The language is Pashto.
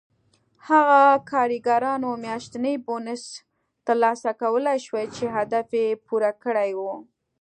هغو کارګرانو میاشتنی بونېس ترلاسه کولای شوای چې هدف یې پوره کړی و